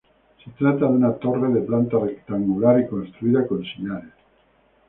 Se trata de una torre de planta rectangular y construida con sillares.